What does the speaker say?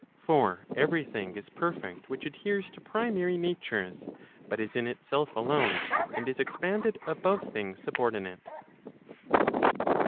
For every thing is perfect which adheres to primary natures, but is in itself alone, and is expanded above things subordinate.